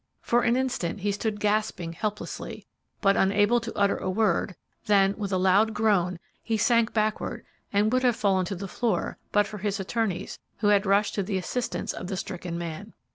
For an instant he stood gasping helplessly, but unable to utter a word; then, with a loud groan, he sank backward and would have fallen to the floor but for his attorneys, who had rushed to the assistance of the stricken man.